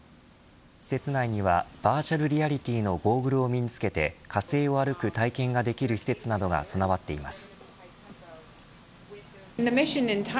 施設内にはバーチャルリアリティーのゴーグルを身につけて火星を歩く体験ができる施設などが備わっています。